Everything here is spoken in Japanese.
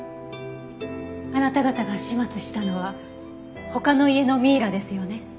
あなた方が始末したのは他の家のミイラですよね？